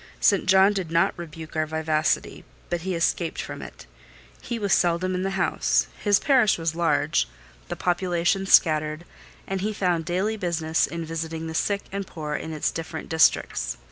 St. John did not rebuke our vivacity; but he escaped from it: he was seldom in the house; his parish was large, the population scattered, and he found daily business in visiting the sick and poor in its different districts.